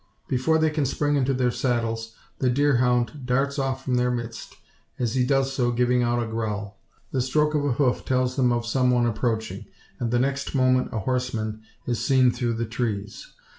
Before they can spring into their saddles, the deer hound darts off from their midst as he does so giving out a growl. The stroke of a hoof tells them of some one approaching, and the next moment a horseman is seen through the trees.